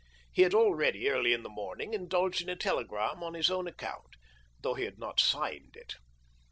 He had already, early in the morning, indulged in a telegram on his own account, though he had not signed it.